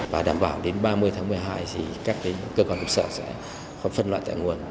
và đảm bảo đến ba mươi tháng một mươi hai thì các cơ quan công sở sẽ phân loại tại nguồn